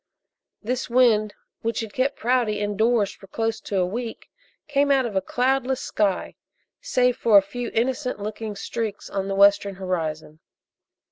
This wind which had kept Prouty indoors for close to a week came out of a cloudless sky, save for a few innocent looking streaks on the western horizon.